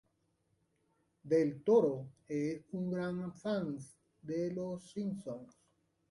Del Toro es un gran fan de Los Simpson.